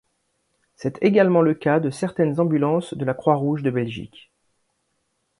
C'est également le cas de certaines ambulances de la Croix-Rouge de Belgique.